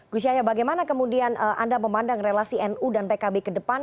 gus yahya bagaimana kemudian anda memandang relasi nu dan pkb ke depan